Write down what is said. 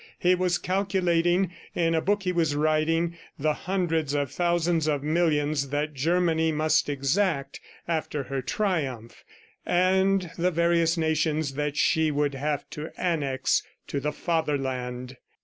He was calculating, in a book he was writing, the hundreds of thousands of millions that Germany must exact after her triumph, and the various nations that she would have to annex to the Fatherland.